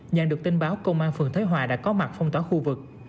nhận được tin báo công an phường thế hòa đã có mặt phong tỏa khu vực